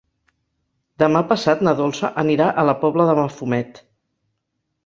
Demà passat na Dolça anirà a la Pobla de Mafumet.